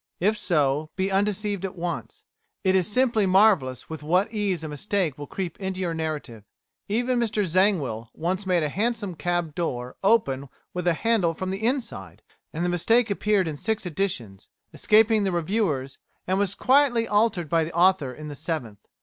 If so, be undeceived at once. It is simply marvellous with what ease a mistake will creep into your narrative. Even Mr Zangwill once made a hansom cab door to open with a handle from the inside, and the mistake appeared in six editions, escaping the reviewers, and was quietly altered by the author in the seventh.